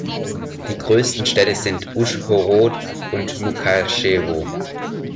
Die größten Städte sind Uschhorod und Mukatschewo.